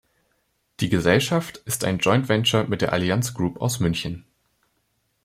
Die Gesellschaft ist ein Joint-Venture mit der Allianz Group aus München.